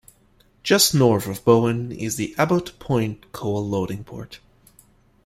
Just north of Bowen is the Abbot Point coal loading port.